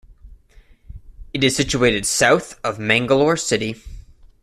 It is situated south of Mangalore city.